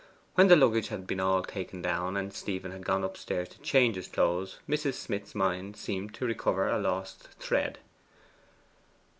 When the luggage had been all taken down, and Stephen had gone upstairs to change his clothes, Mrs. Smith's mind seemed to recover a lost thread.